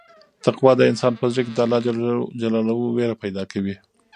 تقوا د انسان په زړه کې د الله وېره پیدا کوي.